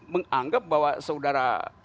menganggap bahwa saudara